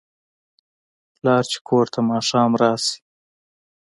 پلار چې کور ته ماښام راشي